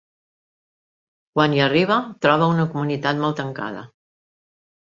Quan hi arriba, troba una comunitat molt tancada.